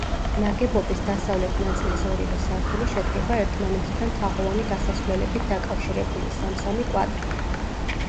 ნაგებობის დასავლეთ ნაწილის ორივე სართული შედგება ერთმანეთთან თაღოვანი გასასვლელებით დაკავშირებული, სამ-სამი კვადრ.